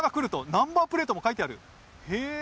ナンバープレートも書いてある。